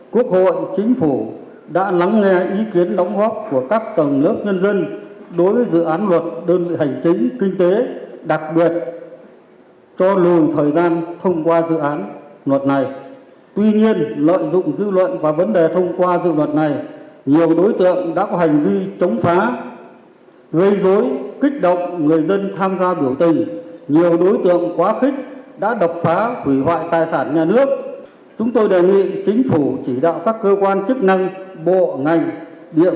cử tri chúng tôi nhận thấy quốc hội chính phủ đã lắng nghe ý kiến đóng góp của các tầng nước nhân dân đối với dự án luật đơn vị hành chính kinh tế đặc biệt